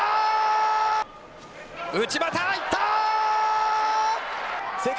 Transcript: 内股行った。